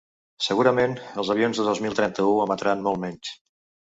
Segurament, els avions del dos mil trenta-u emetran molt menys.